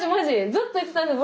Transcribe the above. ずっと言ってたんです